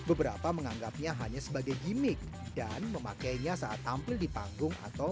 hai beberapa menganggapnya hanya sebagai gimmick dan memakainya saat tampil di panggung atau